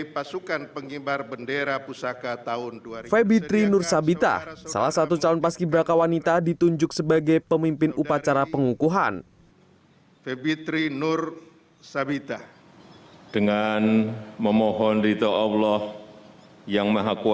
febitri nur sabita salah satu calon paski braka wanita ditunjuk sebagai pemimpin upacara pengukuhan